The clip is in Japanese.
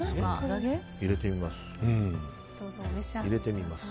入れてみます。